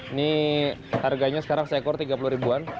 ini harganya sekarang seekor tiga puluh ribuan